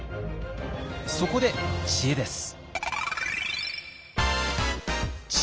そこで知恵です。